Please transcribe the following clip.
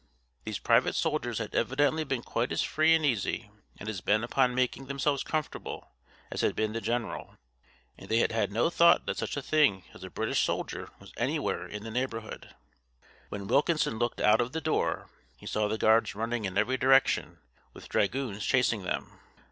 These private soldiers had evidently been quite as free and easy, and as bent upon making themselves comfortable, as had been the general, and they had had no thought that such a thing as a British soldier was anywhere in the neighborhood. When Wilkinson looked out of the door, he saw the guards running in every direction, with dragoons chasing them.